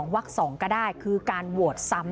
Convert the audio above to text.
วัก๒ก็ได้คือการโหวตซ้ำ